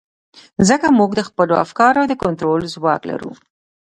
ځکه موږ د خپلو افکارو د کنټرول ځواک لرو.